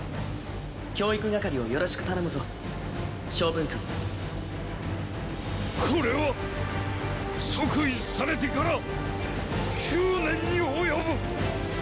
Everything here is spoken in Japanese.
教育係を宜しく頼むぞ昌文君。これは即位されてから九年に及ぶ！